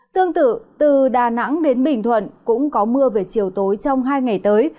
tương tự từ đà nẵng đến bình thuận cũng có mưa về chiều tối trong hai ngày tới